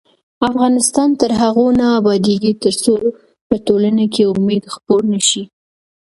افغانستان تر هغو نه ابادیږي، ترڅو په ټولنه کې امید خپور نشي.